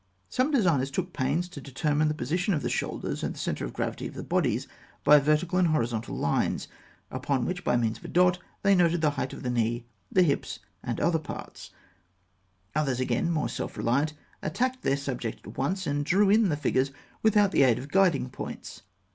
Some designers took pains to determine the position of the shoulders, and the centre of gravity of the bodies, by vertical and horizontal lines, upon which, by means of a dot, they noted the height of the knee, the hips, and other parts (fig. 179). Others again, more self reliant, attacked their subject at once, and drew in the figures without the aid of guiding points.